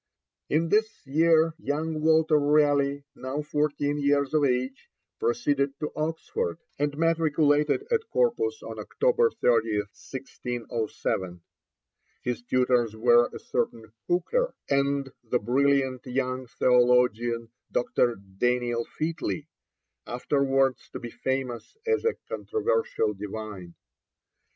In this year young Walter Raleigh, now fourteen years of age, proceeded to Oxford, and matriculated at Corpus on October 30, 1607. His tutors were a certain Hooker, and the brilliant young theologian, Dr. Daniel Featley, afterwards to be famous as a controversial divine.